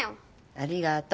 ありがとう。